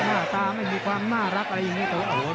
หน้าตาไม่มีความน่ารักอะไรอย่างนี้